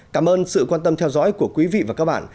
cảm ơn sự quan tâm theo dõi của quý vị và các bạn